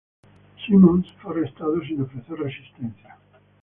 Simmons fue arrestado sin ofrecer resistencia.